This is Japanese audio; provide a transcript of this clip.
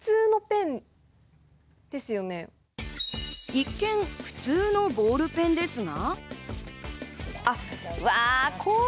一見、普通のボールペンですが。